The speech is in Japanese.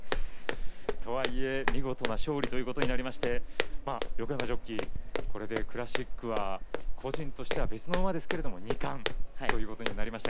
とはいえ見事な勝利となりまして横山ジョッキーこれでクラシックは個人としては別の馬ですが二冠となりました。